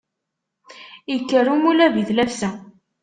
Ikker umulab i tlafsa.